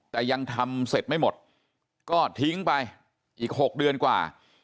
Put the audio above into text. แต่ยังทำเสร็จไม่หมดก็ทิ้งไปอีก๖เดือนกว่า